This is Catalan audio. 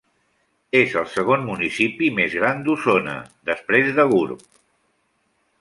És el segon municipi més gran d'Osona, després de Gurb.